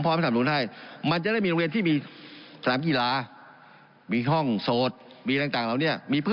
ผมไม่ใช่ประถิกษาเนี่ย